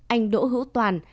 anh đỗ hữu toàn